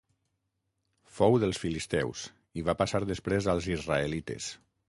Fou dels filisteus i va passar després als israelites.